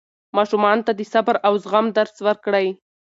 ماشومانو ته د صبر او زغم درس ورکړئ.